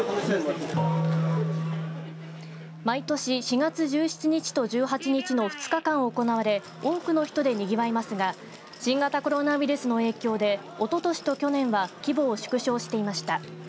毎年４月１７日と１８日の２日間行われ多くの人でにぎわいますが新型コロナウイルスの影響でおととしと去年は規模を縮小していました。